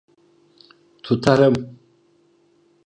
Tutarım.